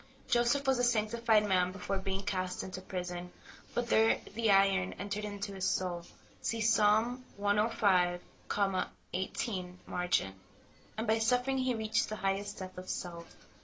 Joseph was a sanctified man before being cast into prison ; but there the iron entered into his soul (see Ps. 105, 18 margin), and by suffering he reached the highest death of self.